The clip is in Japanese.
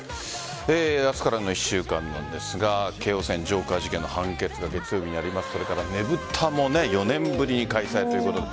明日からの１週間なんですが京王線ジョーカー事件の判決が月曜日にあります。